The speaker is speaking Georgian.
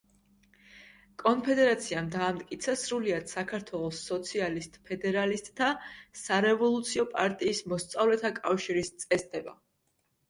კონფედერაციამ დაამტკიცა სრულიად საქართველოს სოციალისტ-ფედერალისტთა სარევოლუციო პარტიის მოსწავლეთა კავშირის წესდება.